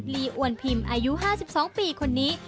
ีอวนพิมพ์อายุ๕๒ปีคนนี้